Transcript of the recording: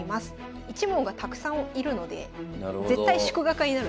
一門がたくさんいるので絶対祝賀会になるんですよ。